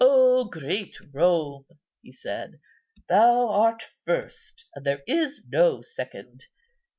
"O great Rome!" he said, "thou art first, and there is no second.